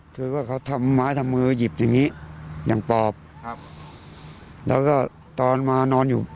คือว่าเขาทำไม้ทำมือหยิบอย่างงี้อย่างปอบครับแล้วก็ตอนมานอนอยู่